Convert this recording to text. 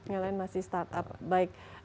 yang lain masih startup baik